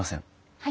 はい。